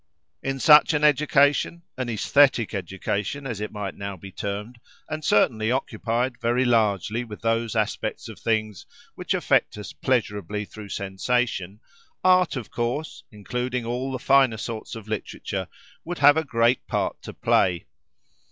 In such an education, an "aesthetic" education, as it might now be termed, and certainly occupied very largely with those aspects of things which affect us pleasurably through sensation, art, of course, including all the finer sorts of literature, would have a great part to play.